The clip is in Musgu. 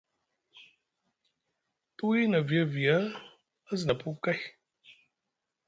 Tuwi na viya viya a zina puku kay.